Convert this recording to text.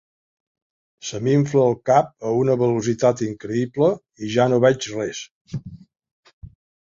Se m’infla el cap a una velocitat increïble, i ja no veig res.